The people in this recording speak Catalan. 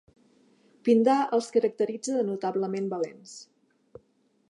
Pindar els caracteritza de notablement valents.